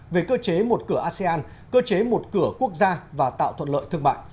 về cơ chế một cửa asean cơ chế một cửa quốc gia và tạo thuận lợi thương mại